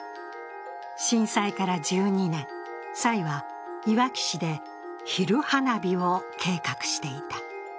震災から１２年、蔡はいわき市で昼花火を計画していた。